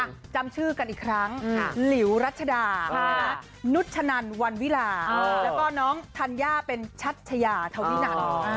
จำชื่อกันอีกครั้งหลิวรัชดานุชนันวันวิลาแล้วก็น้องธัญญาเป็นชัชยาเท่านั้น